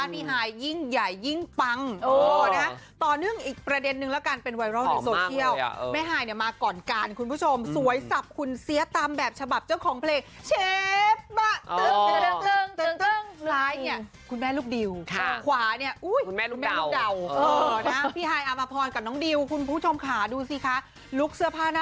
พี่หายกับน้องอิงฟ้าบางซีทรูแบบนี้เอาอะไรบ้างไม่เหมือน